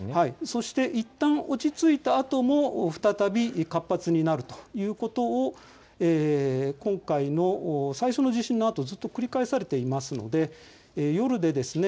そして、いったん落ち着いたあとも再び活発になるということを今回の最初の地震のあとずっと繰り返されていますので夜でですね